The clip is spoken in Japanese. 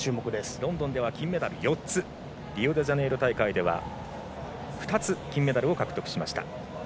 ロンドンでは金メダル４つリオデジャネイロ大会では２つ金メダルを獲得しました。